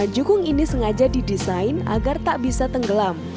jukung ini sengaja didesain agar tak bisa tenggelam